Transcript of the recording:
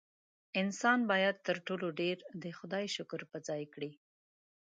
انسان باید تر ټولو ډېر د خدای شکر په ځای کړي.